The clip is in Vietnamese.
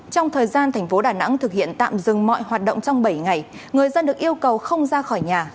trong thời gian thành phố đà nẵng thực hiện tạm dừng mọi hoạt động trong bảy ngày người dân được yêu cầu không ra khỏi nhà